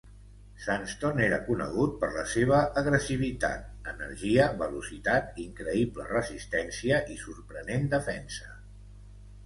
Sanston era conegut per la seva agressivitat, energia, velocitat, increïble resistència i sorprenent defensa.